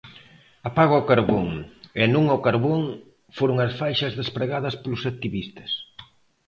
"Apaga o carbón" e "Non ao carbón" foron as faixas despregadas polos activistas.